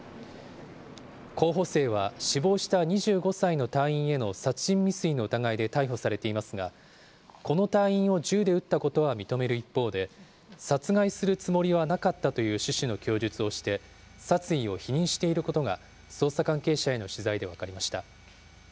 候補生は死亡した２５歳の隊員への殺人未遂の疑いで逮捕されていますが、この隊員を銃で撃ったことは認める一方で、殺害するつもりはなかったという趣旨の供述をして、殺意を否認していることが捜査関係者への取材で分かりました。